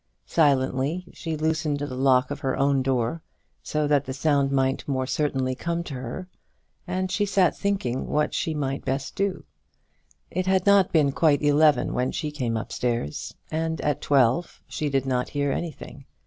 Silently she loosened the lock of her own door, so that the sound might more certainly come to her, and she sat thinking what she might best do. It had not been quite eleven when she came upstairs, and at twelve she did not hear anything.